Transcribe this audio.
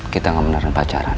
kita gak beneran pacaran